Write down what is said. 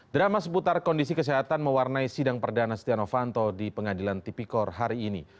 drama seputar kondisi kesehatan mewarnai sidang perdana setia novanto di pengadilan tipikor hari ini